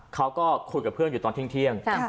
เขาก็คุยกับเพื่อนอยู่ตอนเที่ยง